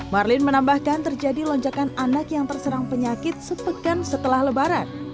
marlin menambahkan terjadi lonjakan anak yang terserang penyakit sepekan setelah lebaran